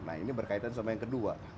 nah ini berkaitan sama yang kedua